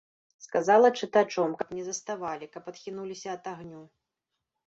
Сказала чытачом, каб не заставалі, каб адхінуліся ад агню.